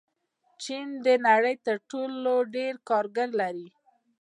چین د نړۍ تر ټولو ډېر کارګر لري.